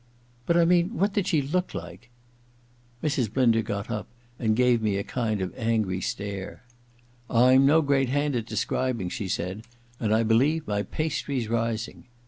• But I mean — what did she look like ?' Mrs. Blinder got up and gave me a kind of f angry stare. * Tm no great hand at describing,' she said; *and I believe my pastry's rising.'